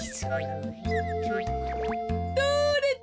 だれだ？